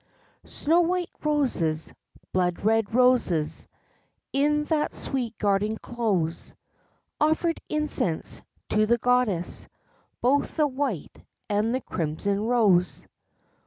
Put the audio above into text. Snow white roses, blood red roses, In that sweet garden close, Offered incense to the goddess: Both the white and the crimson rose.